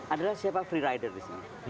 adalah siapa freerider di sini